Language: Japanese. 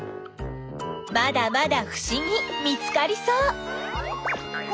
まだまだふしぎ見つかりそう！